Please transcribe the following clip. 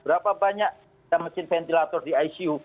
berapa banyak mesin ventilator di icu